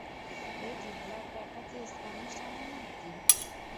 এই রিডলার ব্যাটা কি স্প্যানিশ জানে না নাকি?